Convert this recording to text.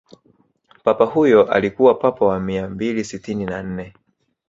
papa huyo alikuwa papa wa mia mbili sitini na nne